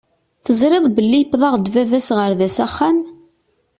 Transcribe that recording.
Teẓriḍ belli yiweḍ-aɣ-d baba-s ɣer da s axxam?